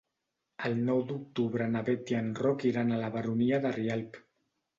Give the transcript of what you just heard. El nou d'octubre na Bet i en Roc iran a la Baronia de Rialb.